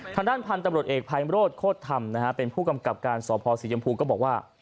ทางด้านพันธุ์ตำรวจเอกภัยโรธโคตรธรรมนะฮะเป็นผู้กำกับการสพศรียมพูก็บอกว่า